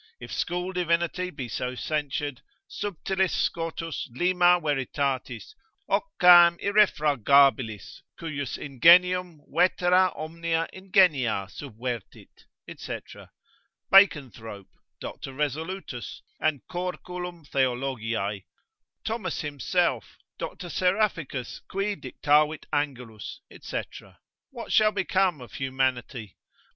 If school divinity be so censured, subtilis Scotus lima veritatis, Occam irrefragabilis, cujus ingenium vetera omnia ingenia subvertit, &c. Baconthrope, Dr. Resolutus, and Corculum Theolgiae, Thomas himself, Doctor Seraphicus, cui dictavit Angelus, &c. What shall become of humanity?